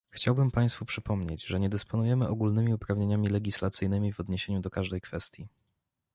Chciałbym państwu przypomnieć, że nie dysponujemy ogólnymi uprawnieniami legislacyjnymi w odniesieniu do każdej kwestii